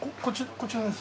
こちらです。